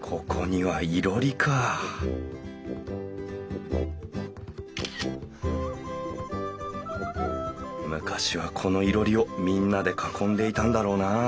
ここにはいろりか昔はこのいろりをみんなで囲んでいたんだろうな。